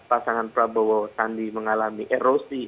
pasangan prabowo sandi mengalami erosi